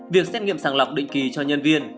việc xét nghiệm sàng lọc định kỳ cho nhân viên